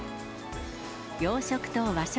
洋食と和食